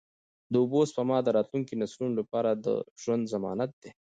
د اوبو سپما د راتلونکو نسلونو لپاره د ژوند ضمانت دی.